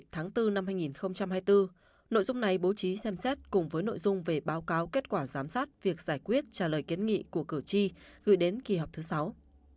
tháng bốn năm hai nghìn hai mươi bốn nội dung này bố trí xem xét cùng với nội dung về báo cáo kết quả giám sát việc giải quyết trả lời kiến nghị của cử tri gửi đến kỳ họp thứ sáu